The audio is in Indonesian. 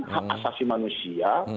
hak asasi manusia